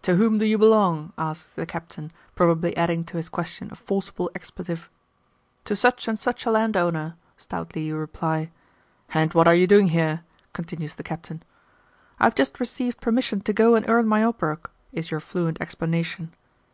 'To whom do you belong?' asks the Captain, probably adding to his question a forcible expletive. 'To such and such a landowner,' stoutly you reply. 'And what are you doing here?' continues the Captain. 'I have just received permission to go and earn my obrok,' is your fluent explanation.